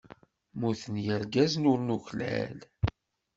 Mmuten yirgazen ur nuklal.